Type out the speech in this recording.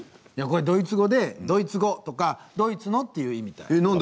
ドイツ語でドイツ語とかドイツのっていう意味たい。